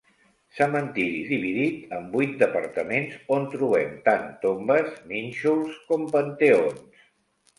Cementiri dividit en vuit departaments on trobem tant tombes, nínxols com panteons.